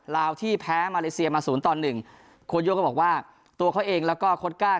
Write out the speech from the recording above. ลาวที่แพ้มาเลเซียมาศูนย์ต่อหนึ่งโคโยก็บอกว่าตัวเขาเองแล้วก็โค้ดก้า